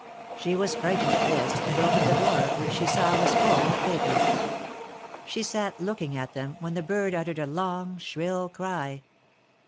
She was frightened at this, and opened the drawer, which she saw was full of papers. She sat looking at them, when the bird uttered a long, shrill cry.